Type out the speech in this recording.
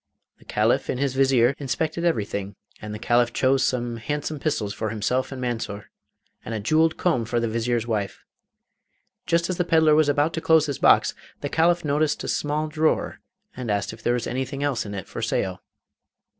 The Caliph and his Vizier inspected everything, and the Caliph chose some handsome pistols for himself and Mansor, and a jewelled comb for the Vizier's wife. Just as the pedlar was about to close his box, the Caliph noticed a small drawer, and asked if there was anything else in it for sale.